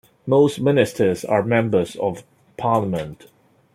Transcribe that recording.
Most ministers are members of Parliament.